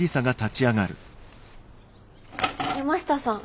山下さん